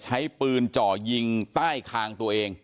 ใช้ปืนจ่อยิงใต้คางตัวเอง